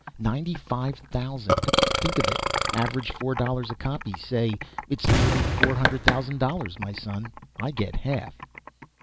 Ninety five thousand! Think of it. Average four dollars a copy, say. It's nearly four hundred thousand dollars, my son. I get half."